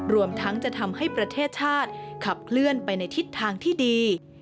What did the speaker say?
รวมทั้งจะทำให้ประเทศชาติขับเคลื่อนไปในทิศทางที่ดี